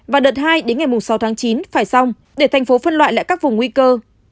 và đợt hai đến ngày sáu chín phải xong để tp phân loại lại các vùng nguy cơ